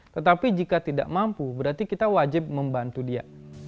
tetapi jika tidak mampu berarti kita wajib membantu dia